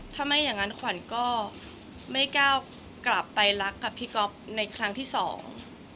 ถ้าไม่อย่างนั้นขวัญก็ไม่ก้าวกลับไปรักกับพี่ก๊อฟในครั้งที่สอง